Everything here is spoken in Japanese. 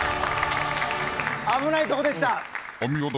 危ないところでした。